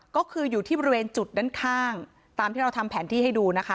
ก็คืออยู่ที่บริเวณจุดด้านข้างตามที่เราทำแผนที่ให้ดูนะคะ